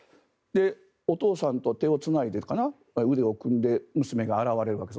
お父さんと手をつないでいるかな腕を組んで娘が現れるわけです。